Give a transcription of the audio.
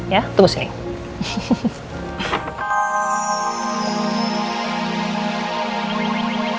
ya tunggu sini